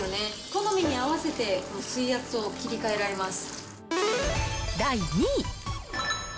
好みに合わせて水圧を切り替えら第２位。